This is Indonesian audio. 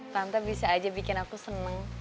tante bisa aja bikin aku seneng